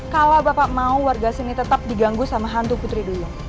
kalau bapak mau warga sini tetap diganggu sama hantu putri dulu